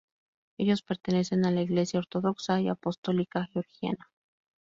Ellos pertenecen a la Iglesia Ortodoxa y Apostólica Georgiana.